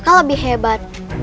kakak lebih hebat